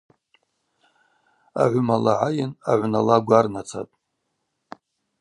Агӏвыма ла гӏайын агӏвна ла гварнацатӏ.